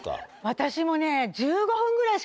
私もね。